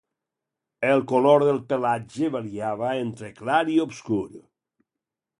El color del pelatge variava entre clar i obscur.